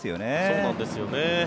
そうなんですよね。